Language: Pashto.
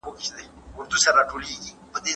زه اوږده وخت بوټونه پاکوم،